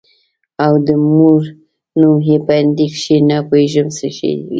او د مور نوم يې په هندي کښې نه پوهېږم څه شى و.